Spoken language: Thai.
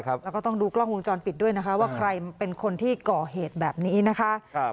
แล้วก็ต้องดูกล้องวงจรปิดด้วยนะคะว่าใครเป็นคนที่ก่อเหตุแบบนี้นะคะ